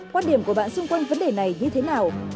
quan điểm của bạn xung quanh vấn đề này như thế nào